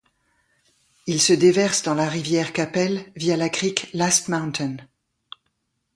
Il se déverse dans la rivière Qu'Appelle via la crique Last Mountain.